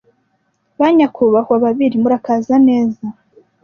Banyakubahwa Babiri murakaza neza